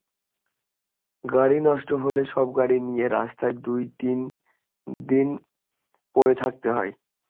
গাড়ি নষ্ট হলে এসব গাড়ি নিয়ে রাস্তায় দুই–তিন দিন পড়ে থাকতে হয়।